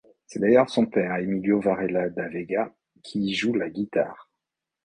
C'est d'ailleurs son père Emilio Varela Da Veiga qui y joue la guitare.